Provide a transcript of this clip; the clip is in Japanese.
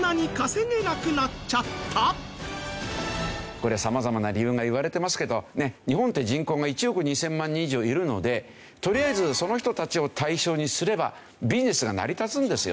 これ様々な理由が言われてますけど日本って人口が１億２０００万人以上いるのでとりあえずその人たちを対象にすればビジネスが成り立つんですよね。